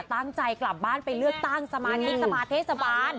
ตั้งใจกลับบ้านไปเลือกตั้งสมาชิกสมาเทศบาล